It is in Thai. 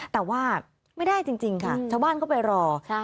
แต่ว่าไม่ได้จริงค่ะชาวบ้านเข้าไปรอ